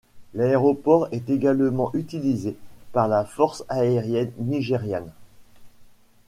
L'aéroport est également utilisé par la Force aérienne nigériane.